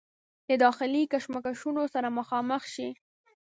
د داخلي کشمکشونو سره مخامخ شي